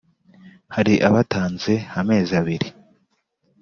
Hari abatanze amezi abiri